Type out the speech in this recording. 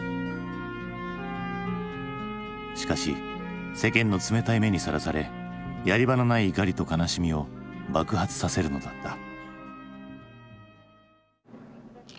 しかし世間の冷たい目にさらされやり場のない怒りと悲しみを爆発させるのだった。